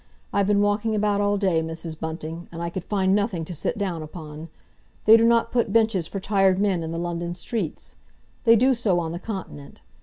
I've been walking about all day, Mrs. Bunting, and I could find nothing to sit down upon. They do not put benches for tired men in the London streets. They do so on the Continent.